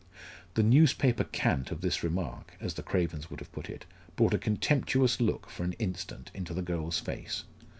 The "newspaper cant" of this remark, as the Cravens would have put it, brought a contemptuous look for an instant into the girl's face.